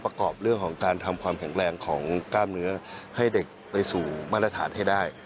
ประกอบเรื่องของการทำความแข็งแรงของกล้ามเนื้อให้เด็กไปสู่มาตรฐานให้ได้